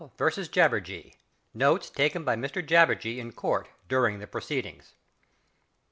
~ Jabberjee. Notes taken by Mr Jabberjee in Court during the proceedings.